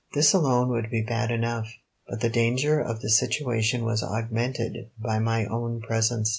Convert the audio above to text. This alone would be bad enough, but the danger of the situation was augmented by my own presence.